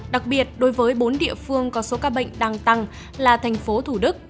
đặc biệt đối với bốn địa phương có số ca bệnh đang tăng là thành phố thủ đức